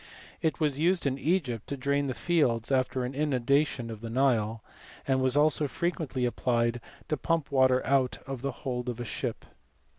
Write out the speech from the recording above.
It was used in Egypt to drain the fields after an inundation of the Nile ; and was also frequently applied to pump water out of the hold of a ship.